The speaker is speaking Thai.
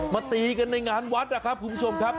ตีกันในงานวัดนะครับคุณผู้ชมครับ